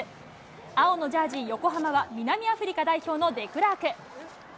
青のジャージ、横浜は南アフリカ代表のデクラーク。